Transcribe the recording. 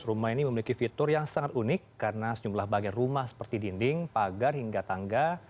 rumah ini memiliki fitur yang sangat unik karena sejumlah bagian rumah seperti dinding pagar hingga tangga